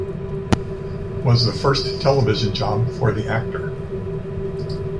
Was the first television job for the actor.